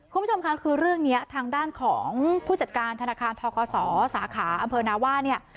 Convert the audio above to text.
คุณผู้ชมค่ะคือเรื่องนี้ทางด้านของผู้จัดการธนาคารทคศสาขาอำเภอนาว่าเนี่ย